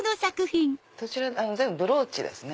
そちら全部ブローチですね。